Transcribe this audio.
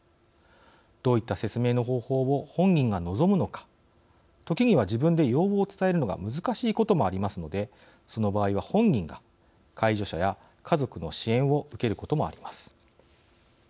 どういった説明の方法を本人が望むのか時には自分で要望を伝えるのが難しいこともありますのでその場合は本人が介助者や家族の支援を受けることもあります。